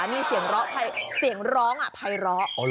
นี่เสียงร้องอ่ะหลายร้อ